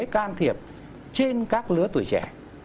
can thiệp trên các lứa tuổi trẻ